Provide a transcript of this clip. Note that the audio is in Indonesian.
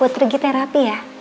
udah pergi terapi ya